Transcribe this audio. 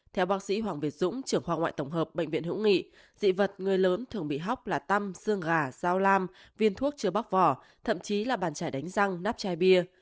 theo bác sĩ hoàng việt dũng trường khoa ngoại tổng hợp bệnh viện hữu nghị dị vật người lớn thường bị hóc là tăm xương gà dao lam viên thuốc chưa bóc vỏ thậm chí là bàn chải đánh răng nắp chai bia